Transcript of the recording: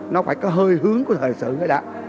nó phải có hơi hướng của thời sự người đã